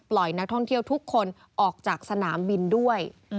นักท่องเที่ยวทุกคนออกจากสนามบินด้วย